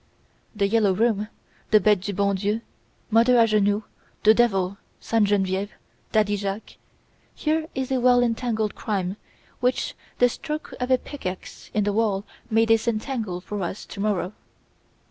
""The Yellow Room", the Bete Du Bon Dieu, Mother Angenoux, the Devil, Sainte Genevieve, Daddy Jacques, here is a well entangled crime which the stroke of a pickaxe in the wall may disentangle for us to morrow.